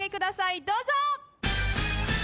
どうぞ。